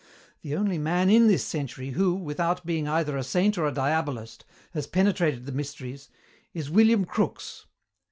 The only man in this century who, without being either a saint or a diabolist, has penetrated the mysteries, is William Crookes."